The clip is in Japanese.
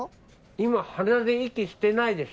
今鼻で息してないでしょ。